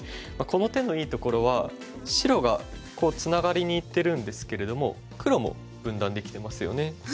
この手のいいところは白がこうツナがりにいってるんですけれども黒も分断できてますよね。